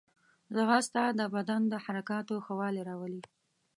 ځغاسته د بدن د حرکاتو ښه والی راولي